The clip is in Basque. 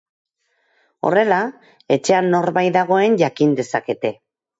Horrela, etxean norbait dagoen jakin dezakete.